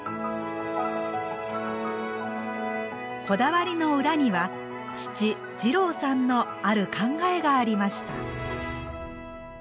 こだわりの裏には父二朗さんのある考えがありました。